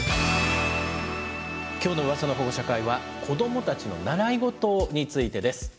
今日の「ウワサの保護者会」は子どもたちの「習い事」についてです。